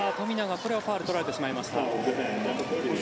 これはファウルを取られてしまいました。